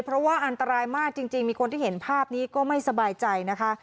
เพราะว่าอันตรายมากจริงมีคนที่เห็นภาพนี้ก็ไม่สบายใจนะคะ